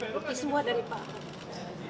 bukti semua dari pak